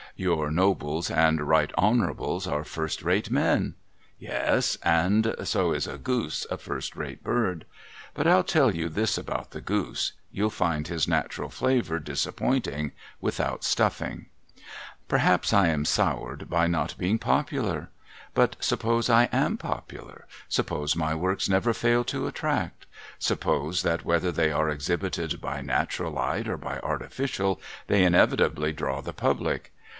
Your Nobles and Right Honourables are first rate men ? Yes, and so is a goose a first rate bird, But I'll tell A TOUCH OF THE ^HSANTHROPE 307 you this about the goose ;— you'll find his natural flavour disap pointing, without stuffing. Perhaps I am soured by not being popular ? But suppose I am popular. Suppose my works never fail to attract. Suppose that, whether they are exhibited by natural light or by artificial, they inevitably draw the public.